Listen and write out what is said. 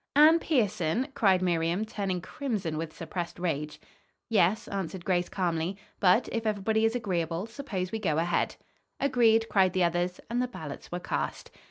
"Anne Pierson?" cried Miriam, turning crimson with suppressed rage. "Yes," answered Grace calmly; "but, if everybody is agreeable, suppose we go ahead." "Agreed!" cried the others and the ballots were cast.